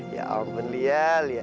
ya ampun lia